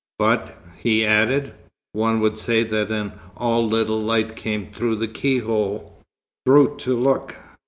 "But," he added, "one would say that an all little light came through the keyhole." "Brute, to look!"